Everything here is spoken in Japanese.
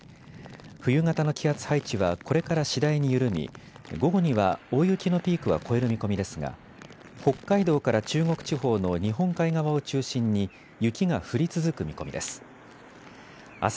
冬型の気圧配置はこれから次第に緩み午後には大雪のピークは越える見込みですが北海道から中国地方の日本海側を中心に雪が降り続く見込みです。